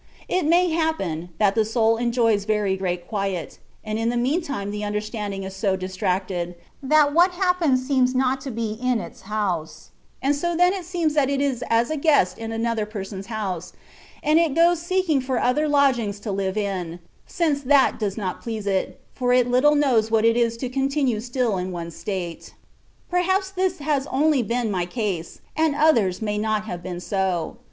It may hap pen, that the soul enjoys very great quiet, and in the mean time the understanding is so distracted, that what happens seems not to be in its house ; and so then it seems that it is as a guest in another person's house, and it goes seeking for other lodgings to live in, since that does not please it, for it little knows what it is to continue stiU in one state.* Perhaps this has only been my case, and others may not have been so.